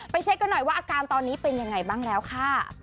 เช็คกันหน่อยว่าอาการตอนนี้เป็นยังไงบ้างแล้วค่ะ